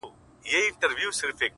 جالبه دا ده یار چي مخامخ جنجال ته ګورم;